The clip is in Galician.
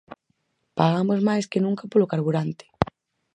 Pagamos máis que nunca polo carburante.